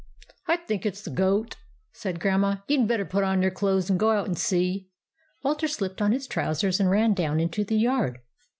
" I think it 's the goat," said Grandma. " You 'd better put on your clothes and go out and see." Walter slipped on his trousers, and ran down into the yard.